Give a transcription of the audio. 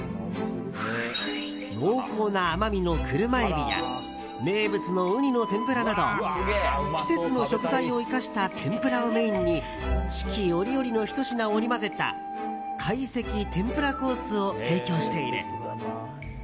濃厚な甘みのクルマエビや名物の雲丹の天ぷらなど季節の食材を生かした天ぷらをメインに四季折々のひと品を織り交ぜた懐石天ぷらコースを提供している。